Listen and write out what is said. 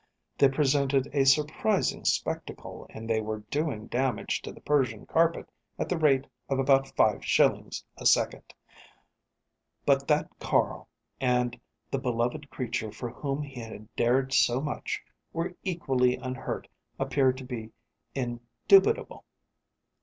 They presented a surprising spectacle, and they were doing damage to the Persian carpet at the rate of about five shillings a second; but that Carl, and the beloved creature for whom he had dared so much, were equally unhurt appeared to be indubitable.